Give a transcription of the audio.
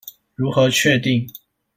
如何確定？